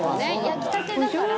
焼きたてだから」